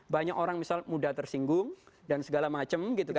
banyak orang misalnya mudah tersinggung dan segala macam gitu kan